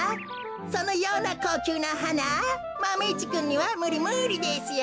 そのようなこうきゅうなはなマメ１くんにはむりむりですよ。